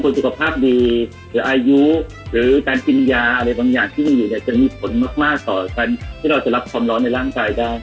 สุขภาพดีหรืออายุหรือการกินยาอะไรบางอย่างที่มีอยู่เนี่ยจะมีผลมากต่อการที่เราจะรับความร้อนในร่างกายได้